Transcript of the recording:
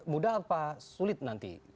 mudah apa sulit nanti